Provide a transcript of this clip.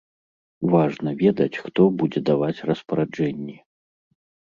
Важна ведаць, хто будзе даваць распараджэнні.